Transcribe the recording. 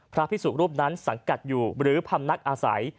พระพิสุรูปนั้นสังกัดอยู่หรือพำนักอาศัย